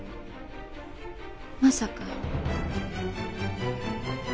まさか。